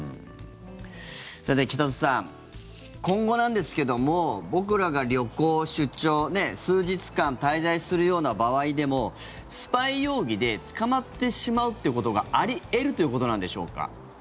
さて、北里さん今後なんですけども僕らが旅行、出張数日間滞在するような場合でもスパイ容疑で捕まってしまうということがあり得るということなんでしょうか？